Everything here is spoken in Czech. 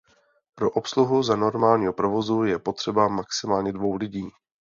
Pro obsluhu za normálního provozu je potřeba maximálně dvou lidí.